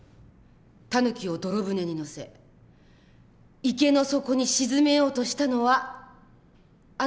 タヌキを泥舟に乗せ池の底に沈めようとしたのはあなたですね？